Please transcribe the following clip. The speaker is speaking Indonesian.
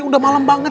udah malem banget